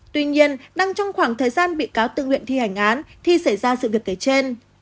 tuy nhiên đang trong khoảng thời gian bị cáo tự nguyện thi hành án thì xảy ra sự việc kể trên